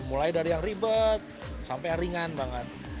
mulai dari yang ribet sampai ringan banget